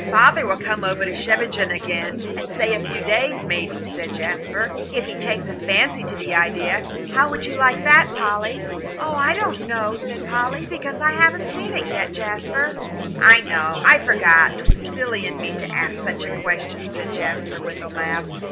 "Father will come over to Scheveningen again and stay a few days, maybe," said Jasper, "if he takes a fancy to the idea. How would you like that, Polly?" "I don't know," said Polly, "because I haven't seen it yet, Jasper." "I know I forgot 'twas silly in me to ask such a question," said Jasper, with a laugh.